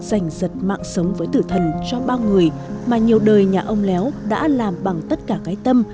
giành giật mạng sống với tử thần cho bao người mà nhiều đời nhà ông léo đã làm bằng tất cả cái tâm